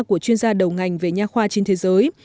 của chuyên gia đầu ngành về nhà khoa trên thế giới